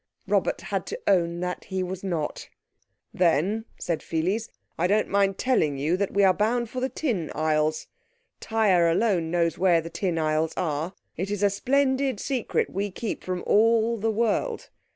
Robert had to own that he was not. "Then," said Pheles, "I don't mind telling you that we're bound for the Tin Isles. Tyre alone knows where the Tin Isles are. It is a splendid secret we keep from all the world.